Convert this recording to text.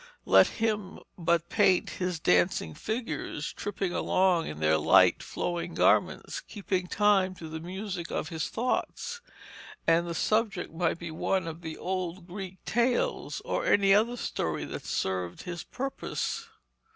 Let him but paint his dancing figures, tripping along in their light flowing garments, keeping time to the music of his thoughts, and the subject might be one of the old Greek tales or any other story that served his purpose.